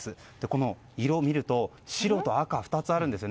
この色を見ると白と赤、２つあるんです。